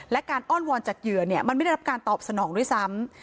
และการอ้อนวอนจากเหยื่อมันไม่ได้รับการตอบสนองด้วยซ้ำ